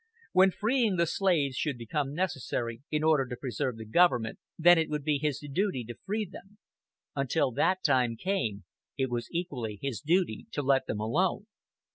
When freeing the slaves should become necessary in order to preserve the Government, then it would be his duty to free them; until that time came, it was equally his duty to let them alone.